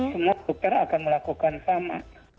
semua dokter akan melakukan sama